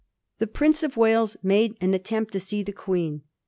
The Prince of Wales made an attempt to see the Queen.